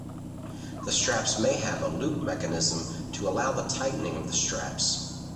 The straps may have a loop mechanism to allow the tightening of the straps.